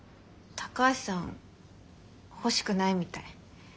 高橋さん欲しくないみたい。